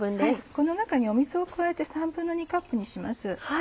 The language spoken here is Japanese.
この中に水を加えて２／３カップにします。